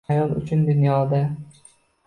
Ayol uchun dunyoda